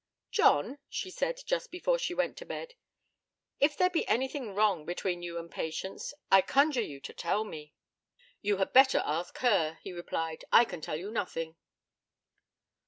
'John,' she said, just before she went to bed, 'if there be anything wrong between you and Patience, I conjure you to tell me.' 'You had better ask her,' he replied. 'I can tell you nothing.'